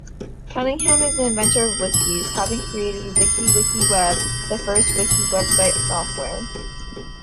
Cunningham is the inventor of wikis, having created WikiWikiWeb, the first wiki website software.